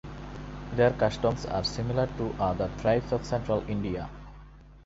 Their customs are similar to other tribes of central India.